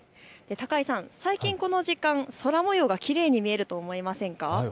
高井さん、最近、この時間空もようがきれいに見えると思いませんか。